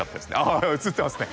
ああ映ってますね